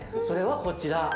それはこちら。